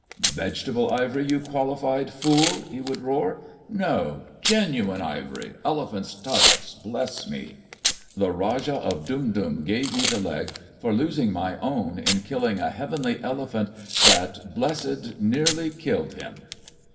"Vegetable ivory, you qualified f ool !" he would roar, " no ! genuine ivory — elephants' tusks, bless me ! The Rajah of Dum Dum gave me the leg for losing my own in killing a heavenly elephant that blessed nearly killed him."